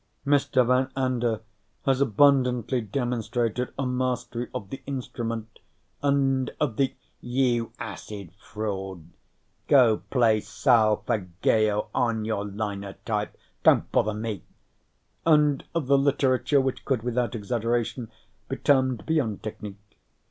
"Mr. Van Anda has abundantly demonstrated a mastery of the instrument and of the " You acid fraud, go play solfeggio on your linotype! Don't bother me! "and of the literature which could, without exaggeration, be termed beyond technique.